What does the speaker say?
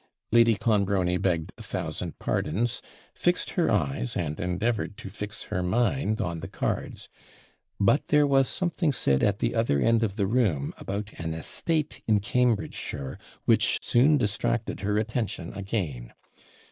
Lady Clonbrony begged a thousand pardons, fixed her eyes and endeavoured to fix her mind on the cards; but there was something said at the other end of the room, about an estate in Cambridgeshire, which soon distracted her attention again.